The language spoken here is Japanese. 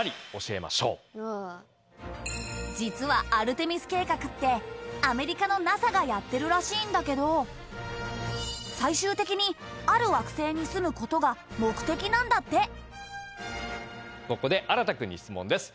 実はアルテミス計画ってアメリカのＮＡＳＡがやってるらしいんだけど最終的にある惑星に住むことが目的なんだってここで新くんに質問です。